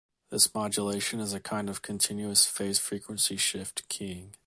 This modulation is a kind of continuous-phase frequency shift keying.